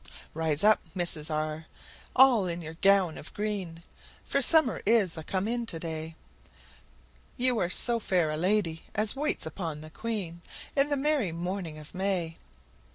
Rise up, Mrs , all in your gown of green, For summer is a come in to day; You are so fair a lady as waits upon the queen, In the merry morning of May!